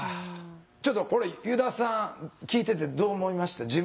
ちょっとこれ油田さん聞いててどう思いました？